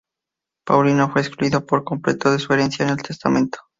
Paulina fue excluida por completo de su herencia en el testamento.